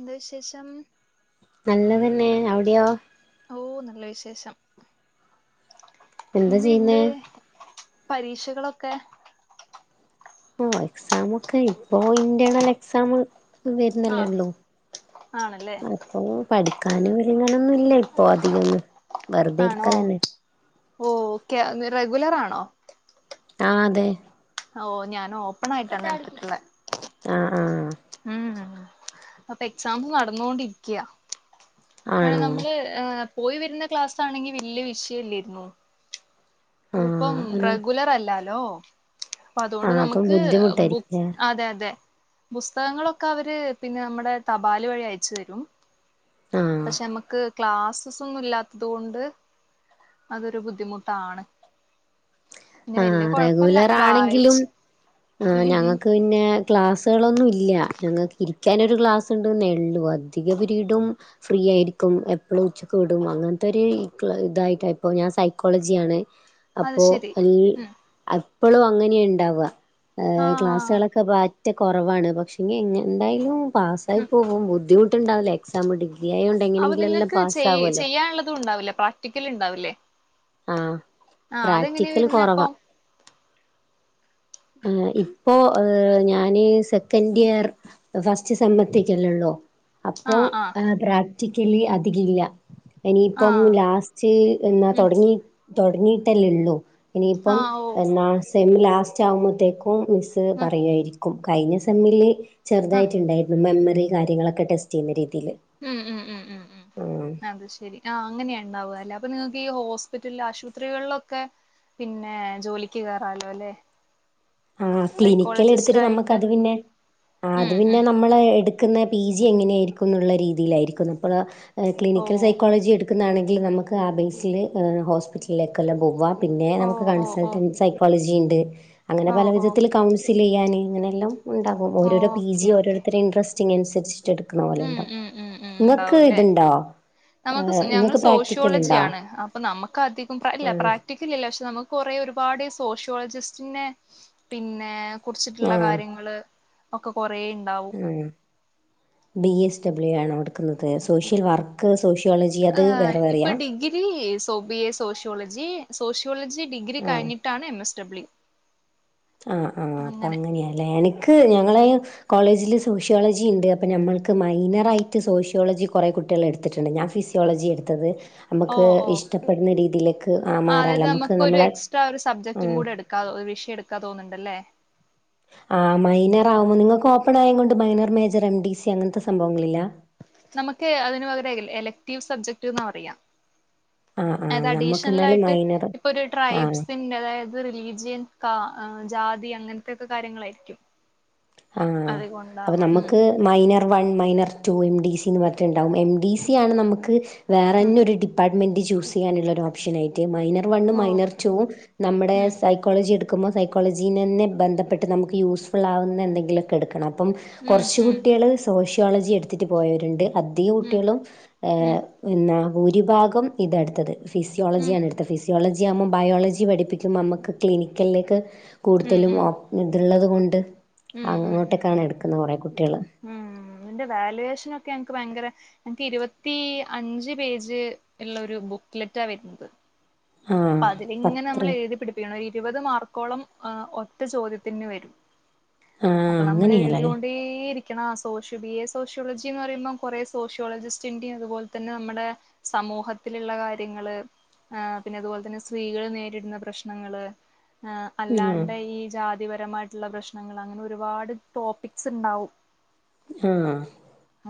ന്താവിശേഷം നല്ലതന്നെ അവ്ട്യോ ഓ നല്ല വിശേഷം എന്താ ചെയ്യുന്നേ ഇന്ന്ണ്ട് പരീക്ഷകളൊക്കെ ഓ എക്സാമൊക്കെ ഇപ്പോ ഇന്റേണൽ എക്സാമ് ആ വര്ന്നല്ലേള്ളൂ ആണല്ലേ അഹ് പ്പൊ പഠിക്കാനു ഇങ്ങാനൊന്നുല്ല ഇപ്പോ അധികൊന്ന് ആണോ വെറ്തെരിക്കലന്നെ ഓ ക്കെ ന്ന്റെസഗുലറാണോ ആതെ ഓ ഞാനോപ്പണായിട്ടാൺ നട്ത്ത് ആഹ് ആഹ് ഉം അപ്പൊ എക്സാംസ് നടന്നുകൊണ്ടിരിക്കയാ അ ആണോ നമ്മള് ഹ് പോയി വരുന്ന ക്ലാസ്സ് ആണെങ്കിൽ വല്യയ വിഷയം ഇല്ലരുന്നു ആ ഇതിപ്പം റെഗുലർ അല്ലാലോ ഇപ്പ ആ അതുകൊണ്ട് അപ്പം നമുക്ക് ബുക്സ് ബുദ്ധിമുട്ടായിരിക്കുംല്ലേ അതെ അതെ പുസ്തകങ്ങളൊക്കെ അവര് പിന്നെ നമ്മുടെ തപാൽ വഴി അയച്ചു തരും ആ പക്ഷെ നമുക്ക് ക്ലാസസ് ഒന്നും ഇല്ലാത്തത് കൊണ്ട് അതൊരു ബുദ്ധിമുട്ടാണ് പിന്നെ ആ വല്യ കൊഴപ്പല്ല ഹ്റെഗുലർ ആണെങ്കിലും വായിച്ച് ആ ഉം ഉം ഹ്ഞങ്ങക്ക് പിന്നെ ക്ലാസ്സുകളൊന്നും ഇല്ല ഞങ്ങൾക്ക് ഇരിക്കാനൊരു ഗക്ലാസ്ണ്ട് നെള്ളും അധിക പിരീടും ഫ്രീ ആയിരിക്കും എപ്പഴും ഉച്ചക്ക് വിടും അങ്ങനത്തെ ഒരു ഇതായിട്ടാ ഇപ്പൊ ഞാൻ സൈക്കോളജി ആണ് അത് അപ്പോ ശരി അൽ ഉം എപ്പോഴും അങ്ങനെ ഉണ്ടാവുക ആഹ് ക്ലാസ്സുകളൊക്കെ ഒറ്റ കുറവാണ് പക്ഷെങ്ക എങ്ങെ എന്തായാലും പാസ് ഉം അത്പ്പോ പോക ബുദ്ധിമുട്ടണ്ടാവല്ലോ എക്സാം ഡിഗ്ര ആയോണ്ട് എങ്ങനെങ്കിലുംല്ലാം പാസ് ആകുമല്ലോ പഠിക്കാനുള്ളതും ഉണ്ടാവില്ല പ - പഠിക്കലു ണ്ടാവില്ലേ ആഹ് പ്രാക്ടിക്കല് വരുന്നെ അപ്പൊ കുറവാ ആഹ് ഇപ്പോ ഞാനിസ് സെക്കൻഡ് ഉം ഇയർ ഫസ്റ്റ് സെ മമ് എത്തിട്ടല്ലേ ഉള്ളൂ അപ്പോ ആഹ് ആഹ് ആം പ്രാക്ടിക്കലി അധികം ഇല്ല ഇനിയിപ്പം ആഹ് ലാസ്റ്റ് എന്ന ഉം തുടങ്ങിയിട്ടല്ലേ ഉള്ളൂ ഇനിയിപ്പം ആഹ് ഓ എന്നാ സെമ്മ ലാസ്റ്റ് ആകുമ്പോത്തേക്കും മിസ്സ് ആഹ് പറയുവായിരിക്കും കഴിഞ്ഞ സെമ്മില് ആഹ് ചെറുതായിട്ടുണ്ടായി മെമ്മറി കാര്യങ്ങളൊക്കെ ടെസ്റ്റ് ചെയ്യുന്ന രീതിയിൽ ഉം ഉം ഉം ഉം ഉം അത് ശരി ആഹ് അങ്ങനെയ ഉണ്ടാവുക അല്ലേ അപ്പൊ നിങ്ങൾക്ക് ഈ ഹോസ്പിറ്റല ആശുപത്രികളിലൊക്കെ പിന്നെ ജോലിക്ക് കയറാലോ അല്ലെ ആഹ് ക്ലിനിക്കൽ സൈക്കോളജിസ്റ്റ് എടുത്തിട്ട് ആയിട്ട് നമ്മുക്ക്ത് പിന്നെ അത് ഉം പിന്നെ ഉം ന നമ്മള് എടുക്കുന്ന പി ജി എങ്ങനെയായിരിക്കും എന്നുള്ള രീതിയിലായിരിക്ക ഇപ്പതാ ഓ ക്ലിനിക്കൽ സൈക്കോളജി എടു എടുക്കുന്നാണെങ്കിൽ നമുക്ക് ആ ബേസിൽ ഹോസ്പിറ്റലിലേക്കെല്ലാം പോകാം പിന്നെ ഓ നമുക്ക് ഓ ഓ കൺസൾട്ടൻസ് ആയി കോളേജിയുണ്ട് അങ്ങനെ ഓ പല ഓ വിധത്തിൽ കൗൺസിൽ ചെയ്യാൻ അങ്ങനെ എല്ലാം ഉണ്ടാകും ഓരോര പി ഓക്കെ ജി ഓക്കെ ഓരോരുത്തരെ ഇൻട്രസ്റ്റിഗ്‌ അനുസരിച്ച് ചെടുക്കുന്ന പോലെ ഉം ഉണ്ടാവും ഉം ഉം ഉം ഇങ്ങക്ക് ഉണ്ടാവൂല്ലേ ഇതുണ്ടോ നമുക്ക് ഏഹ് ഞങ്ങൾ ഇങ്ങക്ക് പ്രാക്ടിക്കൽ സോഷ്യോളജിയ ഉണ്ടോ ആണ് അപ്പൊ നമ്മക്ക് അധികം പ്രാക്ടി ഇല്ല ആഹ് പ്രാക്ടി ഇല്ലല്ല പക്ഷെ നമുക്ക് കുറെ ഒരുപാട് സോഷ്യോളജിസ്റ്റിനെ പിന്നെ കുറിച്ചിട്ടുള്ള ആഹ് കാര്യങ്ങൾ ഒക്കെ കുറെ ഉണ്ടാവും ഉം ബി എസ് ഡബ്ല്യു ആണോ എടുക്കുന്നത് സോഷ്യൽ വർ ക്ക്സോഷ്യോളജി ആഹ് ഇപ്പോ degree so B S sociology sociology degree ആഹ് കഴിഞ്ഞിട്ടാണ് എം എസ് ഡബ്ല്യു ആഹ് ആഹ് അപ്പം അങ്ങനെ അങ്ങനെയല്ലെ എനിക്ക് ഞങ്ങളെ കോളേജിൽ സോഷ്യോളജി ഉണ്ട് അപ്പ നമ്മൾക്ക് മൈനറായിട്ട് സോഷ്യോളജി കുറെ കുട്ടികൾ എടുത്തിട്ടുണ്ട് ഞാൻ ഫിസി യോളജി എടുത്തത് ഓ നമ്മക്ക് ഓ ഇഷ്ടപ്പെടുന്ന രീതിയിലേക്ക് ആ മാറാലോ അതായത് നമുക്ക് നമുക്കൊരു നമ്മളെ എക്സ്ട്രാ ഒരു സബ്ജക്റ്റും ആഹ് കൂടെ എടുക്കാ വിഷയം എടുക്കാ തോന്നുന്നുണ്ടല്ലെ ആഹ് മൈനർ ആകുമോ നിങ്ങൾക്ക് ഓപ്പൺ ആയ കൊണ്ട് minor major M D C അങ്ങനത്തെ സംഭവങ്ങളില്ല നമുക്ക് അതിന് പകരം എലക്റ്റീവ് സബ്ജക്ട് എന്ന് പറയാം ആഹ് അത് ആഹ് നമ്മുക്ക് അഡീഷണൽ എന്നാലും ആയിട്ട് മൈനർ ഇപ്പോ ഒരു ആഹ് ട്രൈബ്സിന്റെ അതായത് ത് റിലീജിയൻ കാ ജാതി അങ്ങനയത്തൊക്കെ കാര്യങ്ങളായിരിക്കും ആഹ് അപ്പോ അതുകൊണ്ടാവാം ഉം നമ്മക്ക് minor one minor two M D C എന്ന് പറഞ്ഞിട്ടുണ്ടാവും എം ഡി സി ആണ് നമുക്ക് ഉം വേറെന്നൊരു ഡിപ്പാർട്ട്മെന്റ് ചൂസ് ചെയ്യാനുള്ളൊ ഒരു ഓപ്ഷനായിട്ട് മൈന മൈനർ വണും ഓ മൈനർ ടു വും നമ്മടെ ഉം സൈ സൈക്കോളജി എടുക്കുമ്പോ സൈക്കോളജിന്നന്നെ ബന്ധട്ട് നമുക്ക് യൂസ് ഫുൾ ആകുന്ന എന്തെങ്കിലുമൊക്കെ എടുക്കണം അപ്പം ഉം കുറച്ച് ഉം കുട്ടികള് സോഷ്യോളജി എടുത്തിട്ട് പോയവരുണ്ട് അധിക കുട്ടികളും ഉം ഏഹ് ഭൂരി ഭാഗം ഇതെടുത്തത് ഉം ഫിസിയോളജിയാണ് എടുത്ത ഫിസ് ജിയോളജി ആകുമ്പൾ ബയോളജി പഠിപ്പിക്കുമ്പോൾ നമ്മക്ക് ക്ലിനിക്കലിലേക്ക് ഉം ഉം കൂടുതലും പിന്ന ഇതുള്ളത് കൊണ്ട് ഉം ഉം ഉം ഉം അങ്ങോട്ടെക്കാണ് ഉം എടുക്കുന്നത് കുറെ കുട്ടികള് ഉം ഇന്റെ വാല്യൂവേഷൻ ഒക്കെ ഞങ്ങക്ക് ഭയങ്കരെ എനിക്ക് ഇരുപത്തി അഞ്ച് പേജ് ഉള്ള ഒരു ബുക്ക്ലെറ്റാ വരുന്നത് അപ്പ ആഹ് അതില് ഇങ്ങനെ പത്ര നമ്മൾ എഴുതി പിടിപ്പിക്കണം ഇരുപത് മാർക്കോളം ഒറ്റ ചോദ്യത്തിന് വരും ആഹ് അപ്പ നമ്മൾ അങ്ങനെയാല്ലേ എഴുതോണ്ടേരിക്ക ക്കണം സോഷ്യോ ബി എ സോഷ്യോളജി എന്ന് പറയുമ്പോ കുററെ സോഷ്യോളജിസ്റ്റിന്റെയും അതുപോലെ തന്നെ നമ്മുടെ സമൂഹത്തിലുള്ള കാര്യങ്ങള് ആഹ് പിന്നെ അതുപോലെ തന്നെ സ്ത്രീകൾ നേരിടുന്ന പ്രശ്നങ്ങള്ൾ ആഹ് അല്ലാണ്ട് ഈ ജാതിപരമായിട്ട് പ്രശ്നങ്ങൾ അങ്ങനെ ഒരുപാട് ടോപ്പിക്സ് ഉണ്ടാവും ഉം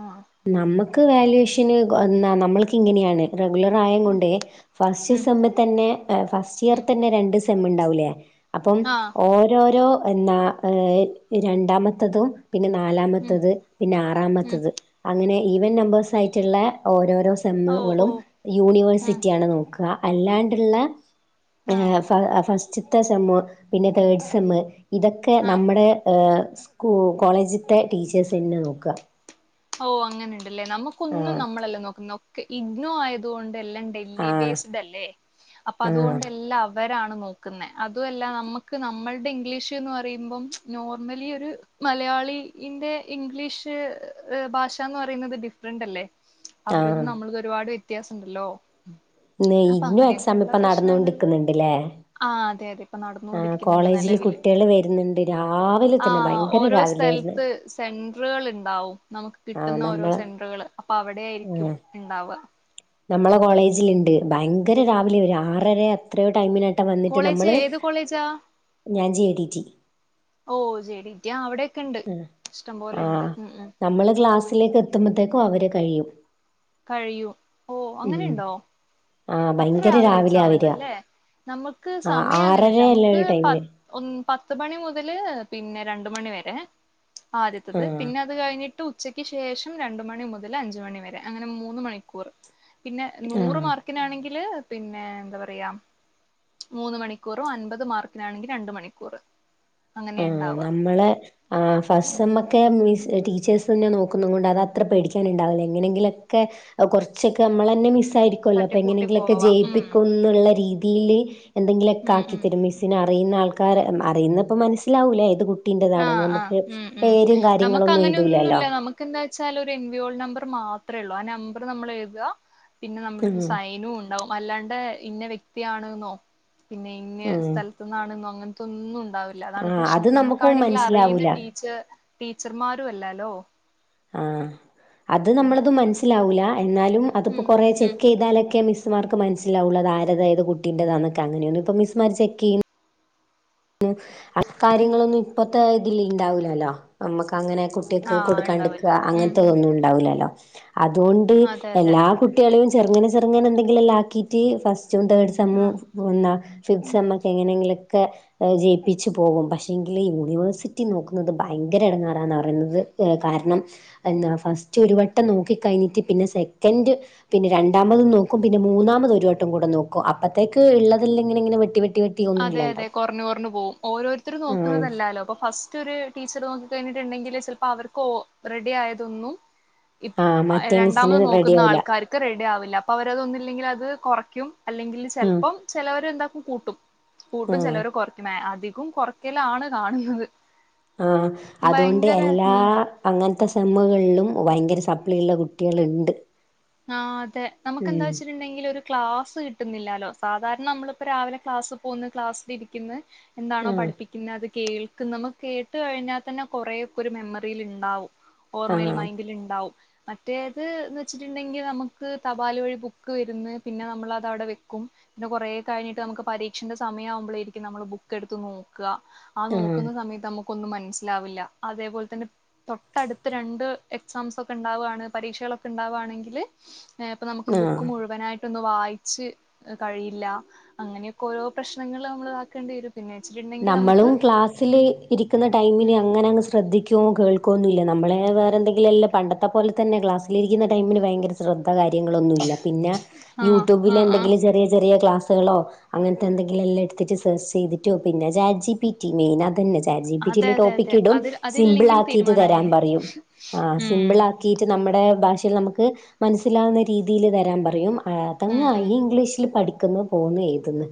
ആഹ് ആഹ് നമ്മക്ക് വാല്യുവേഷന് എന്നാ നമ്മൾക്ക് ഇങ്ങനെയാണ് റെഗുലർ ആയ കൊണ്ടെ ഫസ്റ്റ് ഉം സെമ്മ് തന്നെ ഫസ്റ്റ് ഇയർ ഉം തന്നെ രണ്ട് സെമ്മ് ഉണ്ടാവൂലെ അപ്പം ആ ഓരോരോ എന്നാ ഏ രണ്ടാമത്തതും പിന്നെ ഉം നാലാമത്തത് പിന്നെ ഉം ആറാമത്തത് അങ്ങനെ ഈവൻ നമ്പേഴ്സ് ആയിട്ടുള്ള ഓരോരോ ഓ ഓ സെമ്മുകളും ഉം യൂണിവേഴ്സിറ്റിയാണ് നോക്ക അല്ലാണ്ട്ള്ള ആ ഏഹ് ഫ ഫസ്റ്റ്ത്തെ സെമ്മ്പിന്നെ തേർഡ് സെമ്മ ഇതൊക്കെ ആ നമ്മടെ സ്കൂ കോളേജത്തെ ടീച്ചേഴ്സ് തന്നെ നോക്ക ഓ അങ്ങനെ ഉണ്ടല്ലെ നമുക്കൊന്നും ആഹ് നമ്മളെല്ലാം നോക്കുന്ന് ഒക്കെ ഇഗ്നോ ആയത് ക കൊണ്ട് എല്ലാം ഉണ്ടെയ് എം ബി ബി ആഹ് എസ് ന്റെ അല്ലേ അപ്പോ ആഹ് അതുകൊണ്ട് എല്ലാം അവരാണ് നോക്കുന്നേ അതും അല്ല നമുക്ക് നമ്മളടെ ഇംഗ്ലീഷ് എന്ന് പറയുമ്പം നോർമലി ഒരു മലയാളിന്റെ ഇംഗ്ലീഷ് ഭാഷ എന്ന് പറയുന്നത് ഡിഫറന്റ് അല്ലേ അവരത് ആഹ് നമ്മളത് ഒരുപാട് വ്യത്യാസമൊണ്ടല്ലോ ഉം ഇന്ന് ഇയിനും എക്സാം ഇപ്പോ നടന്നോണ്ടിരിക്കുന്നുണ്ടയെല്ലേ ആ അതെ അതെ ഇപ്പൊ ആഹ് നടന്നുകൊണ്ടിരിക്കുന്നുണ്ട് കോളേജില് നിലവില് കുട്ടികള് വരുന്നുണ്ട് രാവിലെ തന്നെ ആഹ് ഭയങ്കര ഓരോ രാവിലെ വരുന്ന് സ്ഥലത്ത് സെന്ററുകൾ ഉണ്ടാവും നമുക്ക് ആഹ് കിട്ടുന്ന ഓരോ നമ്മളെ സെന്ററുകള് അപ്പോ അവിടെ ആയിരിക്കും ആഹ് ഉണ്ടാവ നമ്മളെ കോളേജിലുണ്ട് ഭയങ്കര രാവിലെ വരുക ആറര എത്രയോ ടൈമിനട്ടം വന്നിട്ട് കോളേജ് നമ്മള് ഏത് കോളേജാ ഞാൻ ജെ ഡി ജി ഓ ജോലികിട്ടിയ അവിടെ മം ആഹ് നമ്മള് ക്ലാസ്സിലേക്ക് എത്തുമ്പോത്തേക്കും അവര് കഴിയും കഴിയും ഓ ഉം അങ്ങനൊണ്ടോ ആഹ് അത്ര ഭയങ്കര രാവിലെ രാവിലെയാ എക്സാം വരിക ഉണ്ടല്ലേ നമുക്ക് ആഹ് സമയം അങ്ങനെയല്ല ആറരയല്ല നമുക്ക് ഒരു പ ടൈമിന് ഒ പത്ത് മണി മുതല് പിന്നെ രണ്ട് മണി വരെ ആദ്യത്തത് ആഹ് പിന്നെ അത് കഴിഞ്ഞിട്ട് ഉച്ചക്ക് ശേഷം രണ്ട് മണി മുതല് അഞ്ച് മണി വരെ അങ്ങനെ മൂന്ന് മണിക്കൂറ് പിന്നെ നൂറ് ആഹ് മാർക്കിനാണെങ്കില് പിന്നെ എന്താ പറയാ. മൂന്ന് മണിക്കൂറും അൻപത് മാർക്കിനാണെങ്കി രണ്ട് മണിക്കൂറ്. ആഹ് നമ്മളെ ആഹ് ഉം ഫസ്സമ്മ് ഒക്കെ മീൻസ് ടീച്ചെഴ്സന്നെ നോക്കുന്ന കൊണ്ട് അത് അത്ര പേടിക്കാനുണ്ടാവുല എങ്ങനെങ്കിലൊക്കെ അഹ് കൊർച്ചക്കെ നമ്മളന്നെ മിസ്സായിരിക്കുല്ലോ അപ്പ തട്ടിക്കൂട്ടി എങ്ങനെങ്കിലൊക്കെ പോവാ ഉം ജയിപ്പിക്കും. എന്നുള്ള രീതിയില് എന്തെങ്കിലും ഒക്കെ ഉം ആക്കി ഉം തരും മിസ്സ്ന് അറിയുന്ന ആൾക്കാര് അറിയുന്ന ഇപ്പോ മന സ്സിലാവൂലേ ഏത് ആഹ് കുട്ടിന്റെതാണന്ന് ആഹ് നമുക്ക് ഉം പേരും കാര്യങ്ങളൊന്നും എഴുതൂലല്ലോ. ക്ക് എന്താ വെച്ചാല് ഒരു എൻവിയോൾ നമ്പറ് മാത്രേ ഉള്ളൂ ആ നമ്പർ നമ്മൾ എഴുത. പിന്നെ നമ്മുടെ ഉം ഒരു സൈനും ഉണ്ടാവും അല്ലാണ്ട് ഇന്ന വ്യക്തിയാണ്ന്നോ പിന്നെ ഇങ്ങ് ഉം സ്ഥലത്ത്ന്നാണ്ന്നോ അങ്ങൻത്തെ ഒന്നും ഉണ്ടാവില്ല. അതാണ് ആഹ് പ്രശ്നം അത് നമുക്കും നമുക്കാണെങ്കില് അറിയുന്ന മനസ്സിലാവൂല ടീ ച്ച ടീച്ചർമാരും അല്ലാല്ലോ. ആഹ് അത് നമ്മളത് മനസ്സിലാവൂല എന്നാലും അത്പ്പോ ഉം കൊറെ ഉം ചെക്ക് യ്താലക്കെ മിസ് മാർക്ക് മൻസ്സിലാവുല അതാര്ത ഏത് കുട്ടിന്റെതാ ന്നൊക്കെ അങ്ങനെയൊന്നും ഇപ്പോ മിസ്സ്മാര് ചെക്ക്യ്യ് അക്കാര്യങ്ങളൊന്നും ഇപ്പത്തെ ഇതില് ഇണ്ടാവുലല്ലോ നമ്മക്ക് അങ്ങനെ കു കുട്ട്യേക്ക് ആഹ് കൊടുക്കാണ്ട്ക്ക ഉണ്ടാവില്ല ഉം അങ്ങൻത്തെ ഉം ഒന്നും ഉണ്ടാവുലല്ലോ അതുകൊണ്ട് അതെ അതെ എല്ലാ കു കുട്ടികളും ചെർങ്ങനെ ചെർങ്ങനെന്തെങ്കിലും എല്ലാം ആക്കിയിട്ട് ഫസ്റ്റും തേർഡ് സെമ്മും ആഹ് വന്നാ സിക്സ് സെമ്മ്‌ എങ്ങനെയെങ്കിലൊക്കെ ജയിപ്പിച്ച് പോകും പക്ഷേങ്കില് യൂണിവേഴ്സിറ്റി നോക്കുന്നത് ഭയങ്കര എടങ്ങാറാന്ന് പറയുന്നത് ഏഹ് കാരണം എന്താ ഫസ്റ്റ് ഒരു വട്ടം നോക്കി കഴിഞ്ഞിട്ട് പിന്നെ സെക്കൻഡ് പിന്നെ രണ്ടാമതും നോക്കും പിന്നെ മൂന്നാമത് ഒരു വട്ടം കൂടെ നോക്കും. അപ്പത്തേക്ക് ഇള്ളതില് ഇങ്ങനെ ഇങ്ങനെ വെട്ടി വെട്ടി വെ അതെ അതെ കൊർഞ്ഞ് കൊർഞ്ഞ് പോകും. ഓരോരുത്തര് ആഹ് നോക്കുന്നതല്ലാലോ അപ്പോ ഫസ്റ്റ് ഒര് ടീച്ചറ് നോക്കി കഴിഞ്ഞിട്ടുണ്ടെങ്കില് ചെലപ്പോ അവർക്ക് ഒ റെഡി ആയതൊന്നും ഇപ്പ് ആഹ് മറ്റേ മിസ്സിന് രണ്ടാമത് റെഡി നോക്കുന്ന ആവൂല ആൾക്കാർ ക്ക് റെഡി ആവില്ല അപ്പോ അവരതൊന്നുല്ലെങ്കില് അത് കൊറയ്ക്കും അല്ലെങ്കിൽ ചെൽപ്പം ചെലോര് എന്താക്കും കൂട്ടും. കൂട്ടും ആഹ് ചെലോര് കൊർക്കും മാ അധികും കൊറയ്ക്കലാണ് കാണുന്നത്. ആഹ് അതുകൊണ്ട് ഭയങ്കര എല്ലാ ഉം അങ്ങൻത്തെ സെമ്മുകളിലും ഭയങ്കര സപ്ലി ഉള്ള കുട്ടികളുണ്ട്. ആഹ് അതെ നമുക്കന്താ ഉം വെച്ചിട്ടുണ്ടെങ്കില് ഒരു ക്ലാസ് കിട്ടുന്നില്ലാല്ലോ സാധാരണ നമ്മളിപ്പോ രാവിലെ ക്ലാസ് പോന്ന് ക്ലാസ്സിലിരിക്ക്ന്ന് എന്താണോ ആഹ് പഠിപ്പിക്കുന്ന അത് കേൾക്കും നമുക്ക് കേട്ട് കഴിഞ്ഞാൽ തന്നെ കൊറേക്കെ ഒരു മെമ്മറിയിൽ ഇണ്ടാവും. ഓർമ്മയില് ആഹ് മൈൻഡിൽ ഇണ്ടാവും മറ്റേത് എന്ന് വെച്ച ച്ചിട്ടുണ്ടെങ്കിൽ നമുക്ക് തപാൽ വഴി ബുക്ക് വരുന്ന് പിന്നെ നമ്മളത് അവിടെ വെക്കും. പിന്നെ കൊറെ കഴിഞ്ഞിട്ട് നമുക്ക് പരീക്ഷന്റെ സമയം ആവുമ്പളായിരിക്കും നമ്മള് ബുക്ക് എടുത്ത് നോക്ക. ആഹ് നോക്കുന്ന സമയത്ത് നമുക്കൊന്നും മൻസ്സിലാവില്ല അതേപോലെ തന്നെ തൊട്ടടുത്ത് രണ്ട് എക്സാംസ് ഒക്കെ ഇണ്ടാവാണ് പരീക്ഷകളൊക്കെ ഇണ്ടാവാണ്. എങ്കില് ഏഹ് ഇപ്പം നമുക്ക് ആഹ് ബുക്ക് മുഴുവനായിട്ട് ഇതൊന്ന് വായിച്ച് കഴിയില്ല. അങ്ങനെയൊക്കെ ഓരോ പ്രശ്നങ്ങൾ നമ്മൾ ഇതാക്കേണ്ടി വരും. [unintelligible] നമ്മളും ക്ലാസ്സില് ഇരിക്കുന്ന ടൈമിന് ഉം അങ്ങനങ്ങ് ശ്രദ്ധിക്കോ കേൾക്കോന്നില്ല നമ്മള് വേറെന്തെങ്കിലും അല്ല പണ്ടത്തെ പോലെ തന്നെ ക്ലാസ്സ് ലിരിക്കുന്ന ടൈമിന് ഭയങ്കര ശ്രദ്ധ കാര്യങ്ങളൊന്നുല്ല പിന്നെ ആഹ് യൂട്യൂബിൽ ആഹ് ആഹ് എന്തെങ്കിലും ചെറിയ ചെറിയ ക്ലാസുകളോ അങ്ങൻത്തെ എന്തെങ്കിലും എല്ലാം എട്ത്തച്ച് സെർച്ച് ചെയ്തിട്ട് പിന്നെ chat G P T main അതന്നെ. ചാറ്റ് ജി പി ടി അതെ യിൽ അതെ അതെ ടോപ്പിക്ക് ഇടും. അതിൽ സിമ്പിൾ അതില്ലെങ്കിൽ ആക്കിട്ട് തരാൻ തീരുമാനമായേനെ പറയും. ആഹ് ഉം സിമ്പിൾ ആക്കി ട്ട് നമ്മടെ ഭാഷയിൽ നമുക്ക് മൻസ്സിലാവുന്ന രീതിയിൽ തരാൻ പറയും. ഏട്ടനു ഉം ആയി ഉം ഇയ് ഇംഗ്ലീഷ്ല് പഠിക്ക്ന്ന് പോവുന്ന് എയ്ത് ന്ന്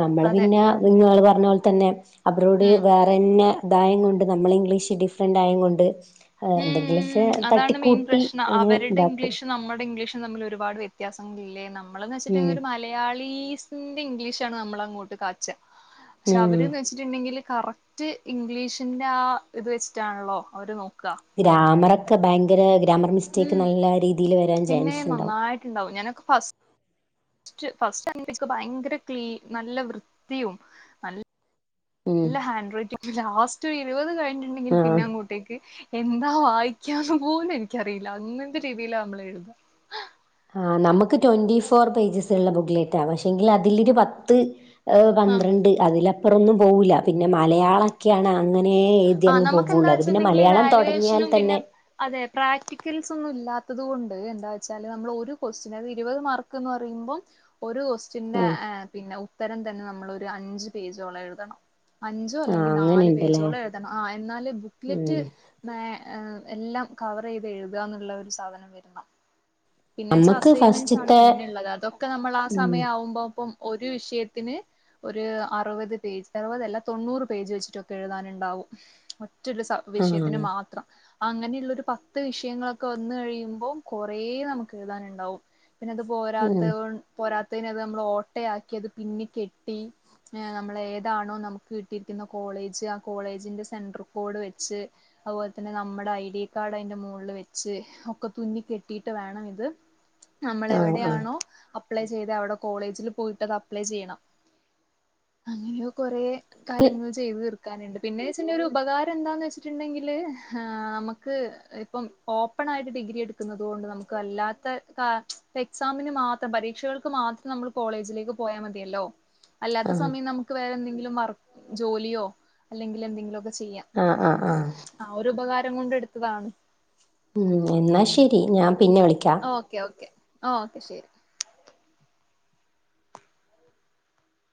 നമ്മള് അതെ പിന്നെ നിങ്ങള് പറണപോൽ തന്നെ അബ്രോയിഡ് ഉം വേറെന്നെ ഇതായിൻകൊണ്ട് നമ്മളെ ഇംഗ്ലീഷ് ഡിഫ്രന്റ് ആയിൻകൊണ്ട് ഉം അതാണ് മെെൻ പ്രശ്നം അങ്ങ് അവര്ടെ ഇതാക്കും ഇംഗ്ലീഷും നമ്മടെ ഇംഗ്ലീഷും രണ്ടും തമ്മില് ഒരുപാട് വ്യത്യാസങ്ങളില്ലേ നമ്മളെന്ന് വെച്ച്ട്ട്ണ്ടെങ്കി ഉം ഒരു മാറ്റ് മലയാളീസിന്റെ ഇംഗ്ലീഷാണ് നമ്മള് അങ്ങോട്ട് കാച്ച് ആ പക്ഷെ ഉം അവര്ന്ന് വെച്ച് റ്റ് ഇണ്ടെങ്കില് കറക്റ്റ് ഇംഗ്ലീഷിന്റെ ആ ഇത് വെച്ച്ട്ടാൺളോ അവര് നോക്കാ ഗ്രാമറൊക്കെ ഭയങ്കര ഗ്രാമർ മിസ്റ്റേക്ക് ഉം നല്ല രീതിയില് വെരാൻ ജാൻസ് ഇണ്ടാവും ഇണ്ടാവും ഞനൊക്ക് ഫസ് റ്റ് ഫസ്റ്റ് ആണെങ്കില് ഇക്ക് ഭയങ്കര ക്ലീ നല്ല വൃത്തിയും നൽ ഉം ല്ല ഹാൻഡ്റൈറ്റിങ് ലാസ്റ്റ് ഇരുവത് കഴിഞ്ഞ്ട്ട്ണ്ടെങ്കിൽ ആഹ് പിന്നെ അങ്ങോ ട്ടേക്ക് എന്താ വായിക്കാന്ന് പോലും എനിക്കറിയില്ല അങ്ങൻത്തെ രീതിയിലാ നമ്മൾ എഴ്താ ആഹ് നമ്ക്ക് ട്വന്റി ഫോർ പേജ്സ്ള്ള ബുക്ക് ലേറ്റാണ് പക്ഷെ എങ്കില് അതില് ഇരുപത്ത് ആ പന്ത്രണ്ട് അതിലപ്പറം ഒന്നും പോവൂല പിന്നെ മലയാളം ഒക്കെയാണ് അങ്ങനെ എഴ്തി ആ അങ്ങ് നമുക്ക് പൊവ്വാെള്ളൂ എന്താ അത് പിന്നെ വെച്ചിട്ടുണ്ടെങ്കില് മലയാളം താെടങ്ങിയാൽ വാല്യുവേഷനും പിന്നെ തന്നെ അതെ പ്രാക്ടിക്കൽസ് ഒന്നും ഇല്ലാത്തത് കൊണ്ട് എന്താ വെച്ചാല് നമ്മള് ഒരു ക്വസ്റ്റെൻ ഇരുവത് മാർക്ക്ന്ന് പറയുമ്പം ഒരു ക്വസ്റ്റൻന്നെ ഉം ഏഹ് പിന്നെ ഉത്തരം തന്നെ നമ്മള് ഒര്അഞ്ച് പേജോളം എഴുതണം അഞ്ചോ ആഹ് അല്ലെങ്കിൽ അങ്ങനെ നാല് ഉണ്ടല്ലേ പേജോളം എഴ്തണം ആഹ് എന്നാല് ബുക്ക്ലെറ്റ് ഉം ന്നേ എല്ലാം കവറൈത് എഴ്താന്ന്ള്ളത് ഒരു സാധനം വെര്ണം പിന്നെ വെച്ചാ നമ്മക്ക് അസൈൻമെൻ്റ്സ് ആൺലോ ഫസ്റ്റ്ത്തെ പിന്നെ ഇള്ളത് അതൊക്കെ നമ്മളാ ആ ഉം സമയം ആവുമ്പോപ്പം ഒരു വിഷയത്തിന് ഒര് അറ് വത് പേജ് അറുവത് അല്ല തൊണ്ണൂറ് പേജ് വെച്ചിട്ടൊക്കെ എഴ്താന് ഇണ്ടാവും ഉറ്റൊരു സ വിഷയത്തിന് ആഹ് മാ ത്രം അങ്ങനെയ്ള്ള ഒരു പത്ത് വിഷയങ്ങളൊക്കെ വന്ന് കഴിയുമ്പൊ കാെറേ നമുക് കെഴ്താന്ണ്ടാവും പിന്നെ അത് ഉം പോരാത്തത് കൊ പോരാത്തൈന് അത് നമ്മള് ഓട്ടെയാക്കി അത് പിന്നെ കെട്ടി ങ്ങേ നമ്മളെ ഏതാണോ നമുക്ക് കിട്ടിയിരിക്ക്ന്ന കോളേജ് ആ കോളേജിന്റെ സെൻഡ്റ് കോഡ് വെച്ച് അത്പോലെ തന്നെ നമ്മടെ ഐ ഡി കാർഡ് ഐന്റെ മാേൾള് വെച്ച് ഒക്കെ തുന്നി കെട്ടിയിട്ട് വേണം അത് നമ്മള് ആഹ് ആഹ് എവെടെയാണോ അപ്ലൈ ചെയ്ത് അവടെ കോളേജില് പോയിട്ട് അത് അപ്ലൈ ചെയ്യണം അങ്ങനെ ഇന്ന് കൊറേ കാര്യങ്ങൾ ചെയ്ത് തീർ ക്കാന്ണ്ട് പിന്നെ വെച്ച്ണ്ടൊരു ഒരു ഉപകാരം എന്താന്ന് വെച്ച്ട്ട്ണ്ടെങ്കില് ആ അമക്ക് ഇപ്പം ഓപ്പണായിട്ട് ഡിഗ്രി എട്ക്ക്ന്നത് കൊണ്ട് നമ്ക്ക് അല്ലാ മറ്റെത് ആഹ് എക്സാമിന് മാത്രം പരീക്ഷകൾക്ക് മാത്രം നമ്മള് കോളേജിലേക്ക് പോയാ മതിയല്ലോ അല്ലാത്ത ആഹ് സമയം നമുക്ക് വേറെ എന്തെങ്കിലും വർക് ജോലിയോ അല്ലെങ്കില് എന്തെങ്കിലൊക്കെ ചെയ്യാ ആഹ് ആഹ് ആഹ് ആഹ് ഒരു ഉപകാരം കൊണ്ട് ഇട്ത്തതാണ് ഉം എന്നാ ശെരി ഞാംപിന്നെ വിളിക്കാ ഓക്കേ ഓക്കെ ആഹ് ഓക്കെ ശെരി